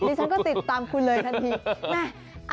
นี่ฉันก็ติดตามคุณเลยค่ะพี่